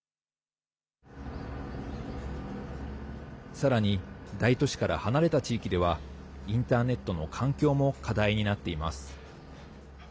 さらに大都市から離れた地域ではインターネットの環境も課題になっています。